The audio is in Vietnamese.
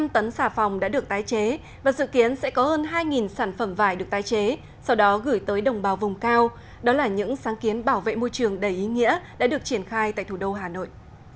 một trăm linh tấn xà phòng đã được tái chế và dự kiến sẽ có hơn hai sản phẩm vải được tái chế sau đó gửi tới đồng bào vùng cao đó là những sáng kiến bảo vệ môi trường đầy ý nghĩa đã được triển khai tại thủ đô hà nội